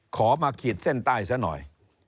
ขอมาขีดเส้นใต้ซะหน่อย